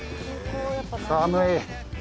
寒い。